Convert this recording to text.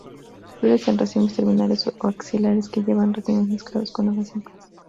Flores en racimos terminales o axilares que llevan racimos mezclados con hojas simples.